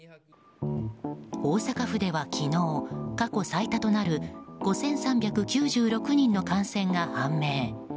大阪府では昨日過去最多となる５３９６人の感染が判明。